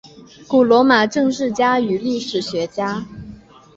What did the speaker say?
古罗马政治家与历史学家。